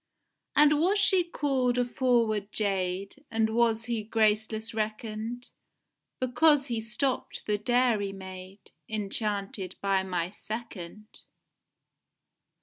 And was she call'd a forward jade, And was he graceless reckon'd, Because he stopt the dairy maid, Enchanted by my second?